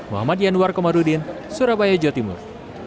muhammad yanwar komarudin surabaya jawa timur